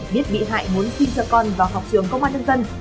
biết bị hại muốn xin cho con vào học trường công an nhân dân